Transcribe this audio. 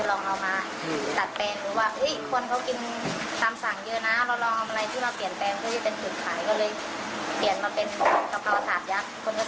เราลองเอาอะไรที่เราเปลี่ยนเป็นมันก็จะเป็นถืดไข่